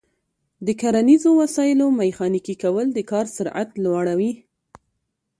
د کرنیزو وسایلو میخانیکي کول د کار سرعت لوړوي.